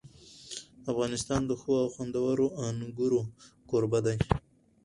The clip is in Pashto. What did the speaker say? افغانستان د ښو او خوندورو انګورو کوربه دی.